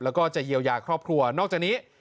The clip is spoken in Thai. แล้วก็จะเยียวยาครอบครัวนอกจากนี้